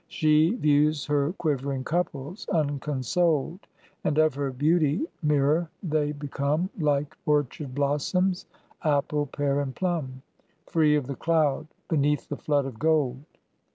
She views her quivering couples unconsoled, And of her beauty mirror they become, Like orchard blossoms, apple, pear and plum, Free of the cloud, beneath the flood of gold.